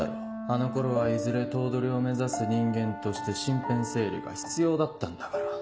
あの頃はいずれ頭取を目指す人間として身辺整理が必要だったんだから。